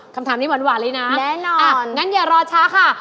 คำถามนี้หวานเลยนะแน่นอนอ่ะงั้นอย่ารอช้าค่ะ